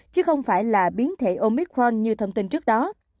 chứ không phải là biến thể omicron như thông tin trước đó